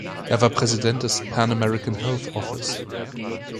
Er war Präsident des Pan-American Health Office.